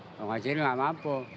kalau enggak cil enggak mampu